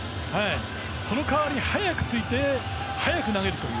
その代わり、早くついて早く投げるという。